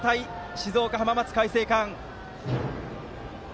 静岡・浜松開誠館。